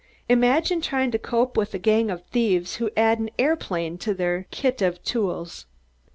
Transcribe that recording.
Imagine trying to cope with a gang of thieves who add an aeroplane to their kit of tools.